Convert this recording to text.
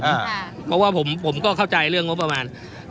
เพราะว่าผมก็เข้าใจเรื่องงบประมาณ